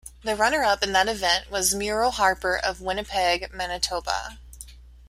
The runner-up in that event was Muriel Harper of Winnipeg, Manitoba.